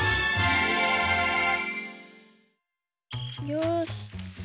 よし。